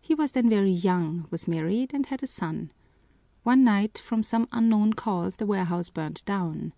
He was then very young, was married, and had a son. One night from some unknown cause the warehouse burned down.